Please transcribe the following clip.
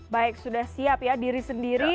baik sudah siap ya diri sendiri